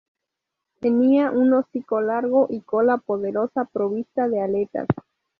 Tenía un hocico largo y cola poderosa provista de aletas.